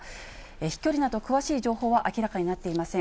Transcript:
飛距離など詳しい情報は明らかになっていません。